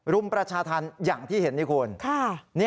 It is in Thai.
รุมประชาธรรมอย่างที่เห็นนี่คุณ